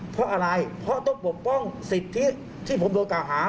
เพราะอะไรเพราะต้องปกป้องสิทธิที่ผมโดนกล่าวหา